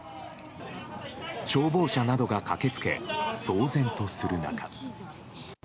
消防車などが駆け付け騒然とする中